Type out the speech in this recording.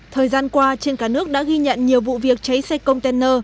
thời gian qua trên cả nước đã ghi nhận nhiều vụ việc cháy xe container